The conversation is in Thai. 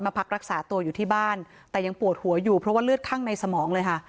พักรักษาตัวอยู่ที่บ้านแต่ยังปวดหัวอยู่เพราะว่าเลือดข้างในสมองเลยค่ะ